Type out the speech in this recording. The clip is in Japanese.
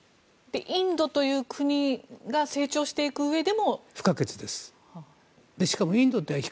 インドという国が成長していくうえでも？